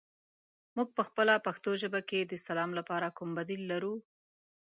موږ پخپله پښتو ژبه کې د سلام لپاره کوم بدیل لرو؟